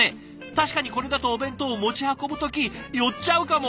確かにこれだとお弁当を持ち運ぶ時寄っちゃうかも。